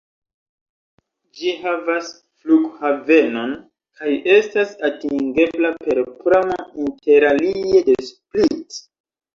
Ĝi havas flughavenon kaj estas atingebla per pramo interalie de Split.